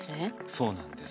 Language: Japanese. そうなんです。